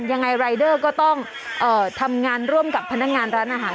ยังไงรายเดอร์ก็ต้องทำงานร่วมกับพนักงานร้านอาหาร